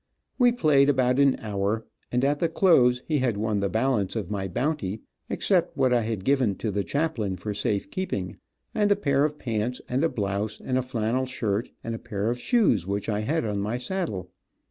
We played about an hour, and at the close he had won the balance of my bounty, except what I had given to the chaplain for safe keeping, and a pair of pants, and a blouse, and a flannel shirt, and a pair of shoes, which I had on my saddle.